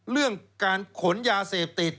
เรื่องการขนยาเสพติด